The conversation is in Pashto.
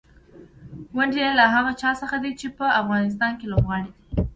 ونډې یې له هغه چا څخه دي چې په افغانستان کې لوبغاړي دي.